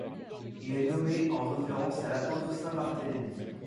Il est nommé en référence à l'apôtre Saint Barthélemy.